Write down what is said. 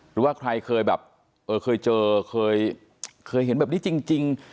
หรือว่าใครเคยแบบเคยเจอเคยเห็นแบบนี้จริง